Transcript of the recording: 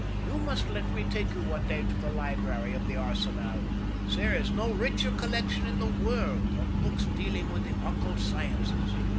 "You must let me take you one day to the library of the Arsenal. There is no richer collection in the world of books dealing with the occult sciences.